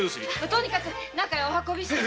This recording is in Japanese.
とにかく中へお運びして。